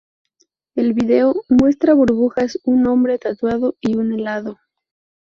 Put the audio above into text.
El vídeo muestra burbujas, un hombre tatuado y un helado.